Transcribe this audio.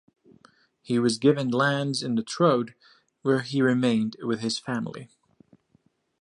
He was given lands in the Troad, where he remained with his family.